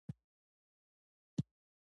مخاطبان قانع کاندي.